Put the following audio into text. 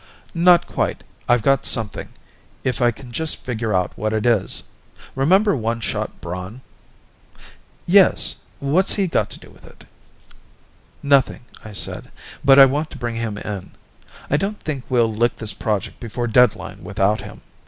"Not quite. I've got something, if I can just figure out what it is. Remember One Shot Braun?" "Yes. What's he got to do with it?" "Nothing," I said. "But I want to bring him in. I don't think we'll lick this project before deadline without him."